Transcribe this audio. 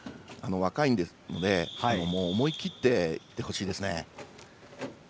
若いので思い切っていってほしいですね。